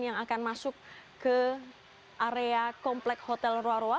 yang akan masuk ke area komplek hotel rua rua